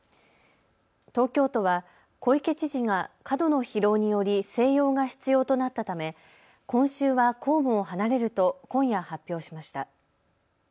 東京都は小池知事が過度の疲労により静養が必要となったため今週は公務を離れると今夜発表しました。